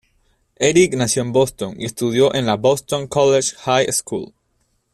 Eric nació en Boston y estudió en la Boston College High School.